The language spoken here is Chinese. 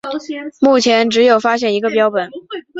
目前只有发现一个标本。